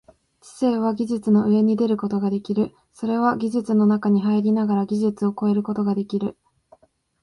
知性は技術の上に出ることができる、それは技術の中に入りながら技術を超えることができる。